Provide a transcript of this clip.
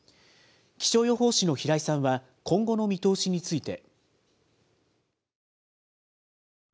気象予報士の平井さんは、今後の見通しについて。